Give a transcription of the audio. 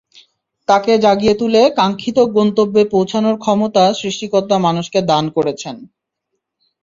তাকে জাগিয়ে তুলে কাঙ্ক্ষিত গন্তব্যে পৌঁছানোর ক্ষমতা সৃষ্টিকর্তা মানুষকে দান করেছেন।